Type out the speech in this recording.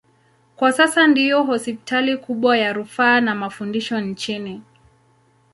Kwa sasa ndiyo hospitali kubwa ya rufaa na mafundisho nchini.